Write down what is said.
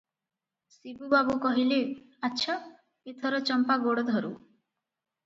ଶିବୁ ବାବୁ କହିଲେ, "ଆଚ୍ଛା, ଏଥର ଚମ୍ପା ଗୋଡ଼ ଧରୁ ।"